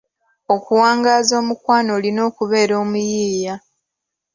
Okuwangaaza omukwano olina okubeera omuyiiya.